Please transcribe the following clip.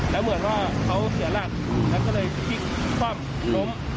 แล้วเหมือนว่าเขาเสียหลักแล้วก็เลยพลิกคว่ำล้ม